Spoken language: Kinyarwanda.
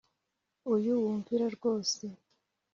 Uyu wumvira rwose